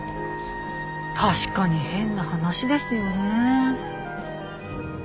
確かに変な話ですよね。